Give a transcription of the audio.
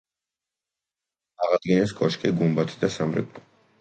აღადგინეს კოშკი, გუმბათი და სამრეკლო.